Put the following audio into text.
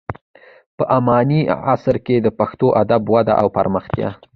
په اماني عصر کې د پښتو ادب وده او پراختیا.